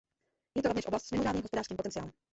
Je to rovněž oblast s mimořádným hospodářským potenciálem.